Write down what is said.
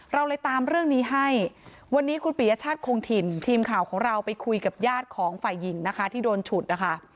เราเลยตามเรื่องนี้ให้วันนี้คุณปียชาติคงถิ่นทีมข่าวของเราไปคุยกับญาติของฝ่ายหญิงนะคะที่โดนฉุดนะคะ